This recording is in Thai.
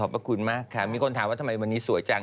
ขอบคุณมากค่ะมีคนถามว่าทำไมวันนี้สวยจัง